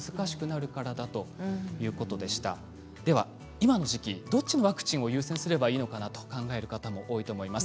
今の時期どっちのワクチンを優先すればいいのかと考える方多いと思います。